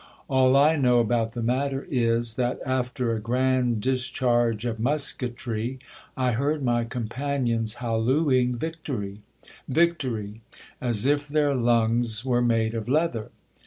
All I know about the matter is, that after a grand discharge of musquetry, I heard my companions hallooing Victory ! Victory ! as if their lungs were made of leather.